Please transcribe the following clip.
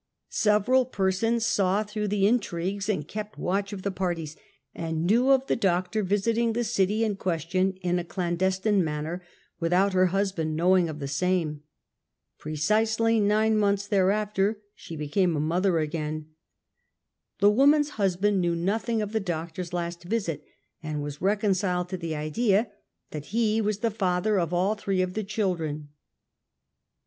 Several persons saw through the intrigues and kept watch of the parties, and knew of the doctor visiting the eity in question in a clandestine manner, without her husband knowing of the .same. Precisely nine ' months thereafter she became a mother again. The woman's husband knew nothing; of the doctor's last visit, and was reconciled to the idea that he was the \ father of all three of the children.